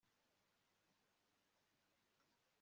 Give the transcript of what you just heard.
kwifuza, amarangamutima, ubucuti, ubunyangamugayo, gutekereza